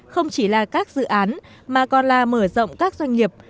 không chỉ là các dự án mà còn là mở rộng các doanh nghiệp